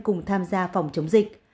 cùng tham gia phòng chống dịch